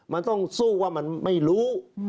มันต้องสู้ว่ามันไม่รู้